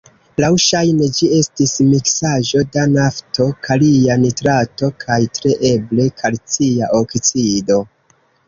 Laŭŝajne ĝi estis miksaĵo da nafto, kalia nitrato kaj tre eble kalcia oksido.